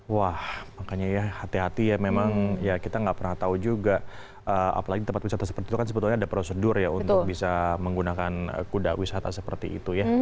wah makanya ya hati hati ya memang ya kita nggak pernah tahu juga apalagi tempat wisata seperti itu kan sebetulnya ada prosedur ya untuk bisa menggunakan kuda wisata seperti itu ya